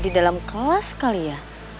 di dalam kelas kali ya